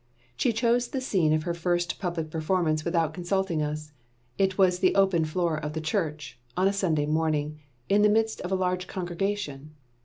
She chose the scene of her first public performance without consulting us. It was the open floor of the church, on a Sunday morning, in the midst of a large congregation.